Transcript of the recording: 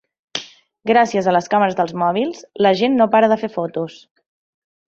Gràcies a les càmeres dels mòbils la gent no para de fer fotos.